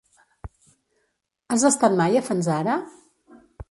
Has estat mai a Fanzara?